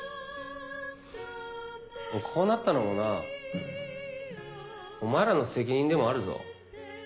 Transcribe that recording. もうこうなったのもなお前らの責任でもあるぞ。